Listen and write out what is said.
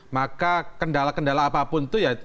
maka kendala kendala apapun itu ya